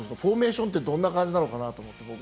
フォーメーションってどんな感じなのかな？